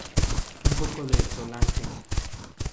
Un poco de Solange.